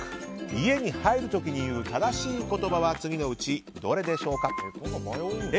家に入る時に言う正しい言葉は次のうちどれでしょうか？